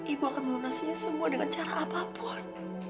ibu akan melunasinya semua dengan cara apapun